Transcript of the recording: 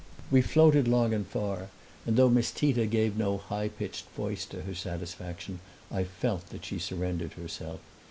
We floated long and far, and though Miss Tita gave no high pitched voice to her satisfaction I felt that she surrendered herself.